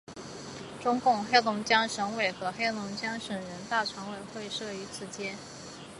中共黑龙江省委和黑龙江省人大常委会设于此街。